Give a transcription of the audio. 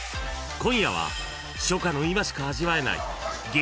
［今夜は初夏の今しか味わえない激